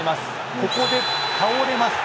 ここで倒れます。